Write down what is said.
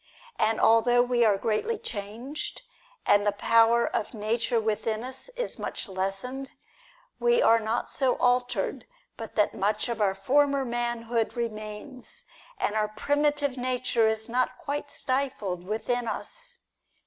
And although we are greatly changed, and the power of nature within us is much lessened, we are not so altered but that much of our former manhood remains, and our primitive nature is not quite stifled within us.